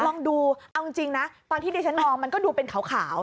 ลองดูเอาจริงนะตอนที่ดิฉันมองมันก็ดูเป็นขาว